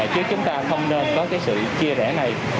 chứ chúng ta không nên có sự chia rẽ này